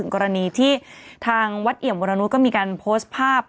กรณีที่ทางวัดเอี่ยมวรนุษย์ก็มีการโพสต์ภาพ